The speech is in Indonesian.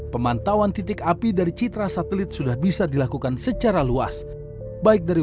pemantauan titik api dari citra satelit sudah bisa dilakukan secara luas baik dari